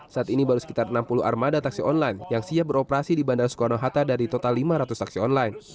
saat ini baru sekitar enam puluh armada taksi online yang siap beroperasi di bandara soekarno hatta dari total lima ratus taksi online